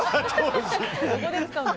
どこで使うの。